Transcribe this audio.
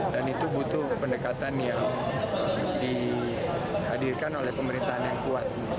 dan itu butuh pendekatan yang dihadirkan oleh pemerintahan yang kuat